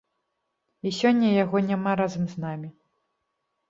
І сёння яго няма разам з намі.